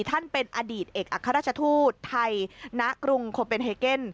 ท่านเป็นอดีตเอกอัครราชทูตไทยณกรุงโคเป็นเฮเกน